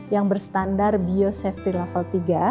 yang berstandar biosafety level tiga